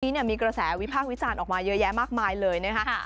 นี้เนี่ยมีกระแสวิพากษ์วิจารณ์ออกมาเยอะแยะมากมายเลยนะคะ